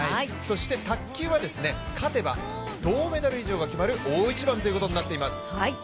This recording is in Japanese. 卓球は勝てば銅メダル以上が決まる大一番となっています。